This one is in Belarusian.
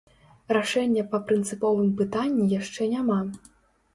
Рашэння па прынцыповым пытанні яшчэ няма.